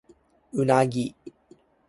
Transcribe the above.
うなぎ